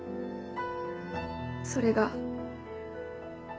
それが。